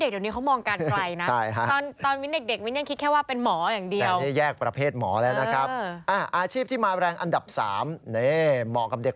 เดี๋ยวนี้เขามองกันไกลนะ